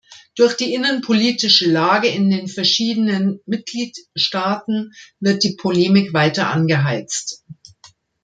Durch die innenpolitische Lage in den verschiedenen Mitgliedstaaten wird die Polemik weiter angeheizt.